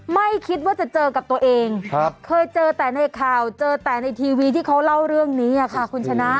ไม่คิดว่าจะเจอกับตัวเองเคยเจอแต่ในข่าวเจอแต่ในทีวีที่เขาเล่าเรื่องนี้ค่ะคุณชนะ